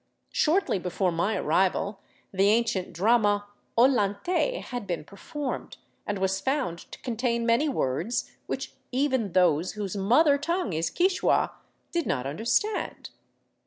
Shortly before my arrival the ancient drama " Ollantay " had been performed, and was found to contain many words which even those whose mother tongue is Quichua did not understand.